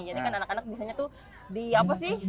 jadi kan anak anak biasanya tuh di apa sih